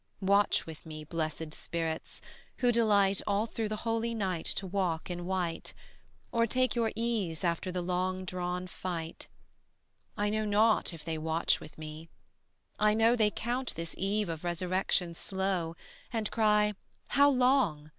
Watch with me, blessed spirits, who delight All through the holy night to walk in white, Or take your ease after the long drawn fight. I know not if they watch with me: I know They count this eve of resurrection slow, And cry, "How long?"